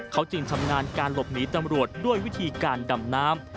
เขาจึงชำนาญการหลบหนีตำรวจด้วยวิธีการดำน้ำ